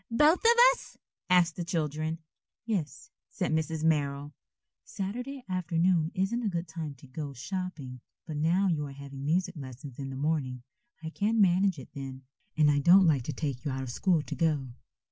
"Both of us?" asked the children. "Yes," said Mrs. Merrill. "Saturday afternoon isn't a good time to go shopping, but now you are having music lessons in the morning, I can't manage it then. And I don't like to take you out of school to go."